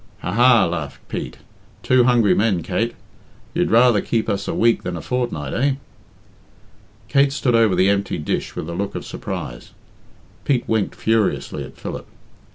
"Ha! ha!" laughed Pete. "Two hungry men, Kate! You'd rather keep us a week than a fortnight, eh?" Kate stood over the empty dish with a look of surprise. Pete winked furiously at Philip.